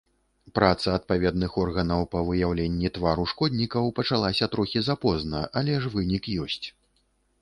Праца адпаведных органаў па выяўленні твару шкоднікаў пачалася трохі запозна, але ж вынік ёсць.